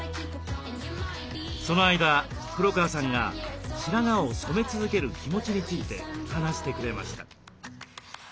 その間黒川さんが白髪を染め続ける気持ちについて話してくれました。